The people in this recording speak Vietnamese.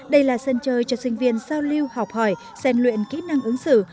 đây là sân chơi cho sinh viên giao lưu học hỏi xem luyện kỹ năng ứng xử